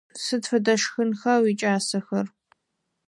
Сыд фэдэ шхынха уикӏасэхэр?